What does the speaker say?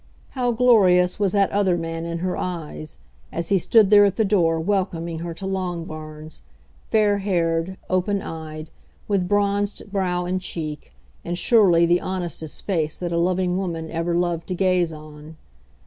How glorious was that other man in her eyes, as he stood there at the door welcoming her to Longbarns, fair haired, open eyed, with bronzed brow and cheek, and surely the honestest face that a loving woman ever loved to gaze on.